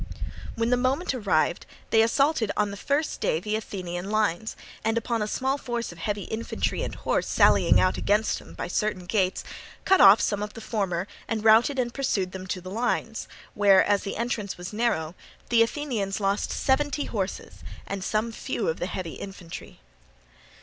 When the moment arrived they assaulted on the first day the Athenian lines, and upon a small force of heavy infantry and horse sallying out against them by certain gates, cut off some of the former and routed and pursued them to the lines, where, as the entrance was narrow, the Athenians lost seventy horses and some few of the heavy infantry.